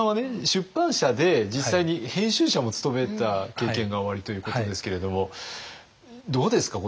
出版社で実際に編集者も務めた経験がおありということですけれどもどうですか？